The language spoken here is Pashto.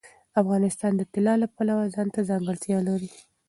افغانستان د طلا د پلوه ځانته ځانګړتیا لري.